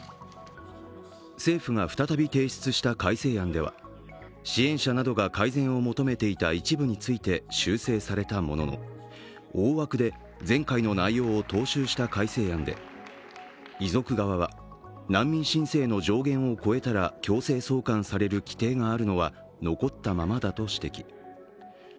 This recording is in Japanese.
政府が再び提出した改正案では支援者などが改善を求めていた一部について修正されたものの大枠で前回の内容を踏襲した改正案で、遺族側は難民申請の上限を超えたら強制送還される規定があるのは残ったままだと指摘。